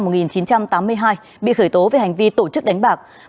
bị can nguyễn minh toàn sinh năm hai nghìn hai bị khởi tố về hành vi tổ chức đánh bạc